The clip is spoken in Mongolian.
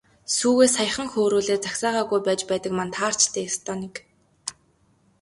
Сүүгээ саяхан хөөрүүлээд загсаагаагүй байж байдаг маань таарч дээ, ёстой нэг.